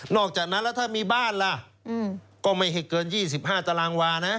อกจากนั้นแล้วถ้ามีบ้านล่ะก็ไม่ให้เกิน๒๕ตารางวานะ